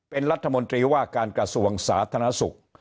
เป็นรัฐมนตรีว่าการกระทรวงสาธารณสุข